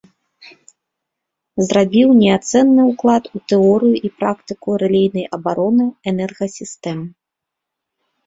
Зрабіў неацэнны ўклад у тэорыю і практыку рэлейнай абароны энергасістэм.